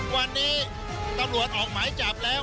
วันนี้ตำรวจออกหมายจับแล้ว